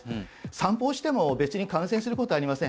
散歩をしても別に感染する事はありません。